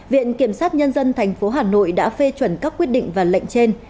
viện kiểm sát nhân dân tp hà nội đã phê chuẩn các quyết định và lệnh trên